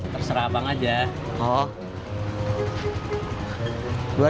terserah abang aja